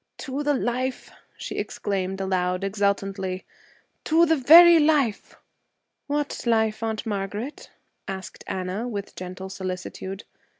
'To the life!' she exclaimed aloud, exultantly. 'To the very life!' 'What life, Aunt Margaret?' asked Anna, with gentle solicitude.